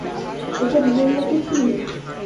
এটা ভুল না তো কি?